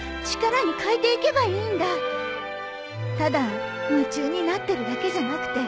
ただ夢中になってるだけじゃなくて